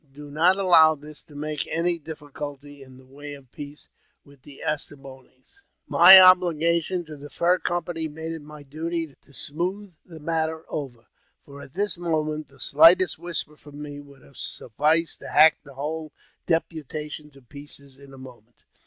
Do not allow this to make any difficulty in the way of a peace with the As ne boines." My obligation to the Fur Company made it my duty to smooth the matter over, for at this moment the slightest whisper from me would have sufficed to hack the whole depu tation to pieces in a moment.